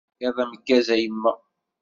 Iḍ ameggaz, a yemma.